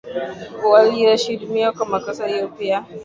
walioshudumiwa kwa makosa hiyo pia